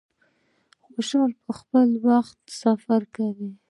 خوشحاله او په خپل وخت سفر وکړی.